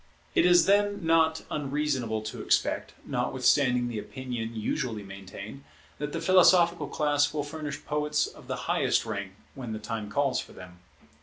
It is then not unreasonable to expect, notwithstanding the opinion usually maintained, that the philosophical class will furnish poets of the highest rank when the time calls for them.